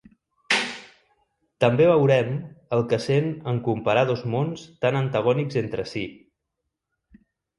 També veurem el que sent en comparar dos mons tan antagònics entre si.